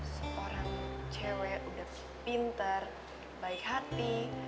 seorang cewek udah pinter baik hati